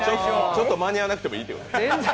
ちょっと間に合わなくてもいいって？